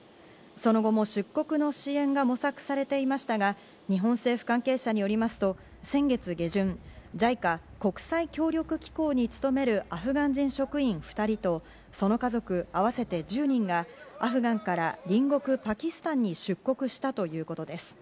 その後も出国の支援が模索されていましたが、日本政府関係者によりますと先月下旬、ＪＩＣＡ＝国際協力機構に勤めるアフガン人職員２人とその家族合わせて１０人がアフガンから隣国パキスタンに出国したということです。